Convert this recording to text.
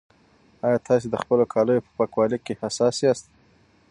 ایا تاسي د خپلو کالیو په پاکوالي کې حساس یاست؟